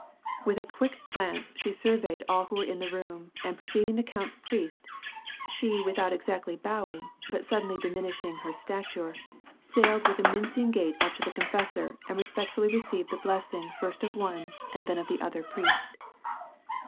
With a (juick glance she surveyed all who were in the room and perceiving the count's priest, she without exactly bowing but suddenly diminishing her stature, sailed with a mincing gait up to the confessor and respectfully received the blessing first of one and then of the other priest.